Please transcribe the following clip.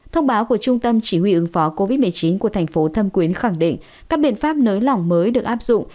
thông báo của trung tâm chỉ huy ứng phó covid một mươi chín của thành phố thâm quyến khẳng định các biện pháp nới lỏng mới được áp dụng